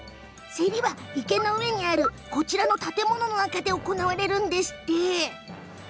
競りは、池の上にあるこちらの建物の中で行われるんですって。